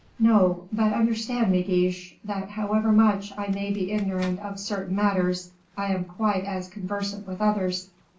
"No; but understand me, Guiche, that however much I may be ignorant of certain matters, I am quite as conversant with others.